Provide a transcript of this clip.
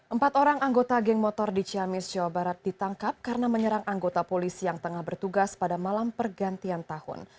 empat orang anggota geng motor di ciamis jawa barat ditangkap karena menyerang anggota polisi yang tengah bertugas pada malam pergantian tahun